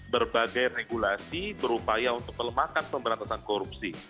berbagai regulasi berupaya untuk melemahkan pemberantasan korupsi